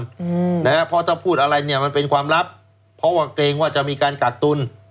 อืมนะฮะเพราะถ้าพูดอะไรเนี่ยมันเป็นความลับเพราะว่าเกรงว่าจะมีการกักตุล